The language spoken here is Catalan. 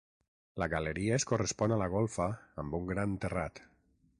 La galeria es correspon a la golfa amb un gran terrat.